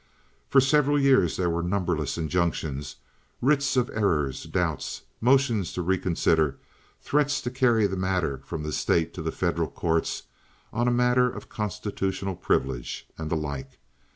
For several years there were numberless injunctions, writs of errors, doubts, motions to reconsider, threats to carry the matter from the state to the federal courts on a matter of constitutional privilege, and the like.